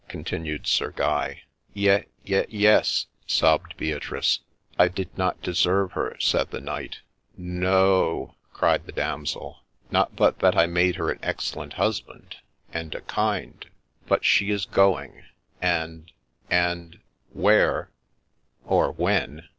' continued Sir Guy. ' Ye ye yes !' sobbed Beatrice. ' I did not deserve her !' said the knight. ' No o o o !' cried the damsel. ' Not but that I made her an excellent husband, and a kind ; but she is going, and — and — where, or when